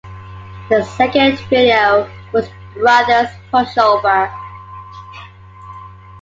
Their Second Video was "Brothers Push Over".